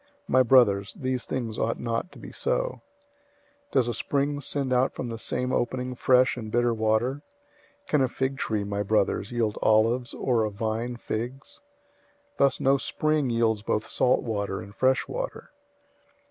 My brothers, these things ought not to be so. 003:011 Does a spring send out from the same opening fresh and bitter water? 003:012 Can a fig tree, my brothers, yield olives, or a vine figs? Thus no spring yields both salt water and fresh water.